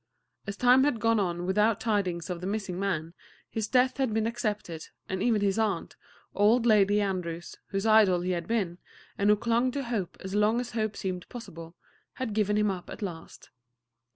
As time had gone on without tidings of the missing man, his death had been accepted, and even his aunt, Old Lady Andrews, whose idol he had been, and who clung to hope as long as hope seemed possible, had given him up at last.